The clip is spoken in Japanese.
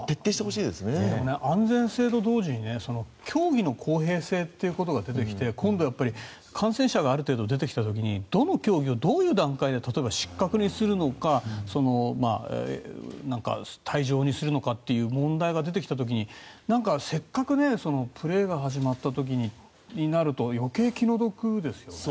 安全性と同時に競技の公平性ということが出てきて今度やっぱり、感染者がある程度出てきた時にどの競技をどういう段階で例えば失格にするのか退場にするのかという問題が出てきた時にせっかくプレーが始まった時になると余計気の毒ですよね。